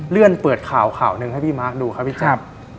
เลื่อนเปิดข่าวข่าวหนึ่งให้พี่มาร์คดูครับพี่แจ๊ค